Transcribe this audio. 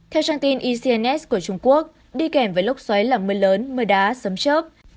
theo trang tin ecns của trung quốc đi kèm với lốc xoáy là mưa lớn mưa đá sấm trớp